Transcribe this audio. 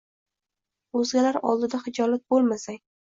o‘zgalar oldida xijolat bo‘lmasang.